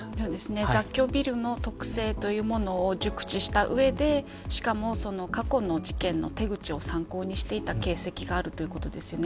雑居ビルの特性というものを熟知した上でしかも、過去の事件の手口を参考にしていた形跡があるということですよね。